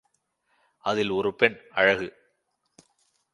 அதில் ஒரு பெண் அழகு.